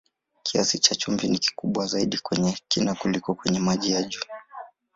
Kiasi cha chumvi ni kikubwa zaidi kwenye kina kuliko kwenye maji ya juu.